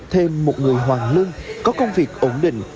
thêm một người hoàng lương có công việc ổn định